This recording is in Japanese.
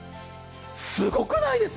すごくないです？